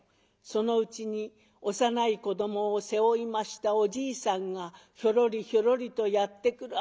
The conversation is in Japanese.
そのうちに幼い子どもを背負いましたおじいさんがひょろりひょろりとやって来る。